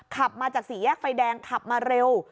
ขับมาจากสี่แยกไฟแดงขับมาเร็ว